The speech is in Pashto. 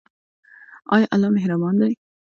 آیا الله مهربان دی؟